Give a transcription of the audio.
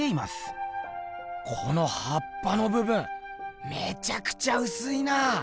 このはっぱのぶぶんめちゃくちゃうすいな。